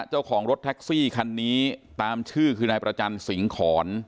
เจ้าของรถแท็กซี่คันนี้ตามชื่อคือนายประจันสิงหอน